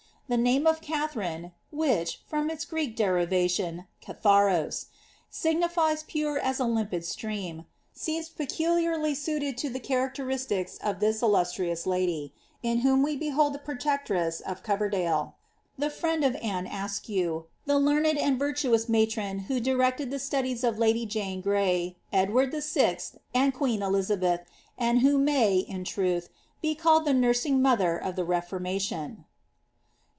The name of Katharine, which, from its Greek derivation, Katharos, signitie! pure u B limpid siream, aeems peculiarly suited to the characteristics of ihia iUnairioua lady ; in whom we behold the protectress of Coverdali?, llie _ ftiend of Aune Askew, the learned and viniious matron who directed I IIh atudiea of Ituly Jane Grey, Eldward VI., and queen Elizabeth, and I idio may, with truth, be colled the nursing mother of tlie Keformaiion.